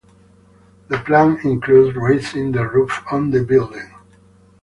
The plan includes raising the roof on the building.